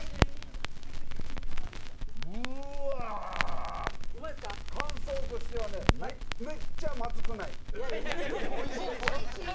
うわー、感想としてはねめっちゃまずくない！